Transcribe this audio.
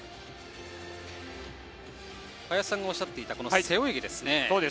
林さんがおっしゃっていた背泳ぎですね。